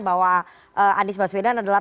bahwa anies baswedan adalah